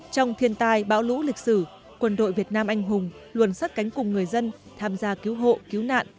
trong thiên tai bão lũ lịch sử quân đội việt nam anh hùng luôn sắt cánh cùng người dân tham gia cứu hộ cứu nạn